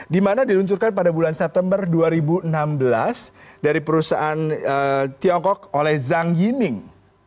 di mana diluncurkan pada bulan september dua ribu enam belas dari perusahaan tiongkok oleh zhang yining